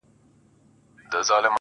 • زه يې د نوم تر يوه ټكي صدقه نه سومه.